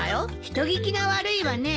人聞きが悪いわね。